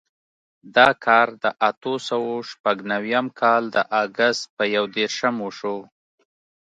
دا کار د اتو سوو شپږ نوېم کال د اګست په یودېرشم وشو.